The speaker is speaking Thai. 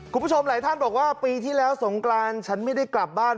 คุณผู้ชมหลายท่านบอกว่าปีที่แล้วสงกรานฉันไม่ได้กลับบ้าน